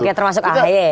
oke termasuk ahy